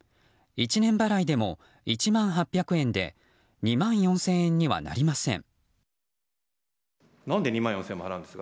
１年払いでも１万８００円で２万４０００円にはなりません。